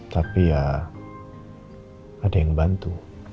tapi ya ada yang bantu